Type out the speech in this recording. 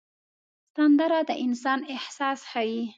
سندره د انسان احساس ښيي